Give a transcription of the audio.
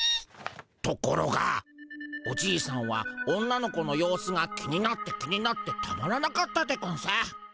ところがおじいさんは女の子の様子が気になって気になってたまらなかったでゴンス。